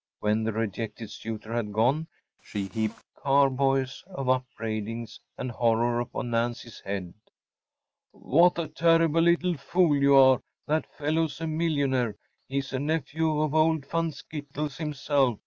When the rejected suitor had gone she heaped carboys of upbraidings and horror upon Nancy’s head. “What a terrible little fool you are! That fellow’s a millionaire‚ÄĒhe‚Äôs a nephew of old Van Skittles himself.